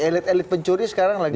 elit elit pencuri sekarang lagi